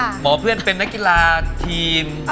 หมอเพื่อนเป็นนักกีฬาทีม